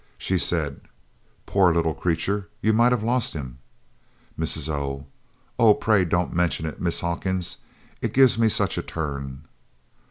She said: "Poor little creature! You might have lost him!" Mrs. O. "O pray don't mention it, Miss Hawkins it gives me such a turn!"